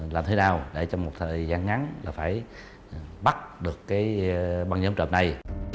làm thế nào để trong một thời gian ngắn phải bắt được băng nhóm trộm này